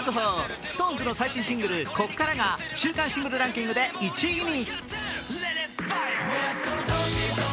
ＳｉｘＴＯＮＥＳの最新シングル「こっから」が週間シングルランキングで１位に。